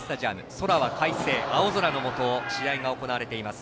空は快晴、青空のもと試合が行われています。